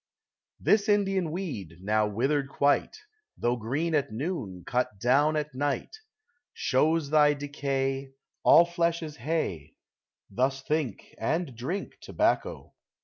This Indian weed, now withered quite, Though green at noon, cut down at night, Shows thy decay, — All flesh is hay : Thus think, and drink * tobacco.